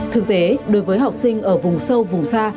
thực tế đối với học sinh ở vùng sâu vùng xa